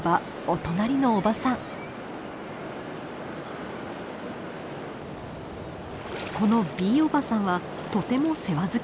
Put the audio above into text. このＢおばさんはとても世話好きな性格。